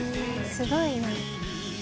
すごい。